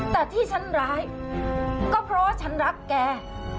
แต่ที่ฉันร้ายก็เพราะว่าฉันรักแก